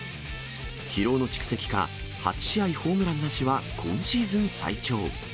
疲労の蓄積か、８試合ホームランなしは今シーズン最長。